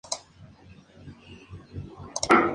El proyecto no fue aprobado.